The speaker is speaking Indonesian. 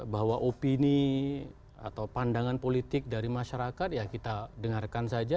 bahwa opini atau pandangan politik dari masyarakat ya kita dengarkan saja